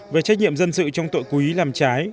về trách nhiệm dân sự trong tội cố ý làm trái